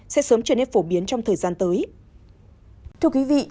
sẽ sớm trở nên phổ biến trong thời gian tới